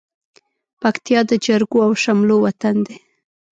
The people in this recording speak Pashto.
پکتيا د جرګو او شملو وطن دى.